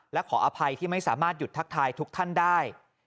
และขออภัยที่ไม่สามารถหยุดทักทายทุกท่านได้